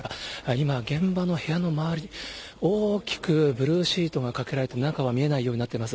今、現場の部屋の周り、大きくブルーシートがかけられて、中は見えないようになっています。